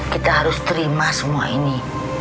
kita harus terima semua ini